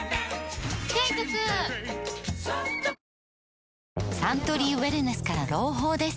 ペイトクサントリーウエルネスから朗報です